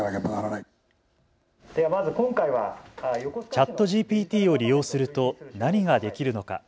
ＣｈａｔＧＰＴを利用すると何ができるのか。